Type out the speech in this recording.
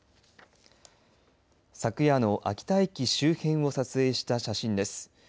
昨夜の秋田駅周辺を撮影した写真です。